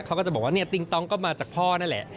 เขาก็จะบอกว่าเนี่ยติ๊งต้องก็มาจากพ่อนั่นแหละ